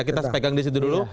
kita pegang di situ dulu